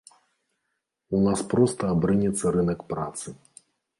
У нас проста абрынецца рынак працы.